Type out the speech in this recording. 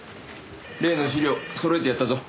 例の資料揃えてやったぞ。